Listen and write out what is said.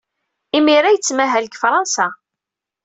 Imir-a, yettmahal deg Fṛansa.